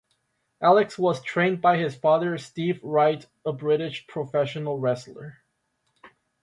Alex was trained by his father Steve Wright, a British professional wrestler.